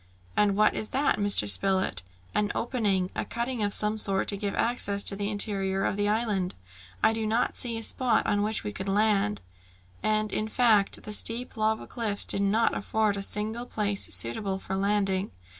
"And what is that, Mr. Spilett?" "An opening, a cutting of some sort, to give access to the interior of the island. I do not see a spot on which we could land." And, in fact, the steep lava cliffs did not afford a single place suitable for landing.